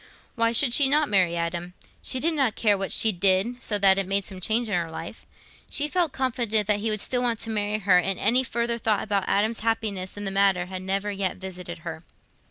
Why should she not marry Adam? She did not care what she did, so that it made some change in her life. She felt confident that he would still want to marry her, and any further thought about Adam's happiness in the matter had never yet visited her.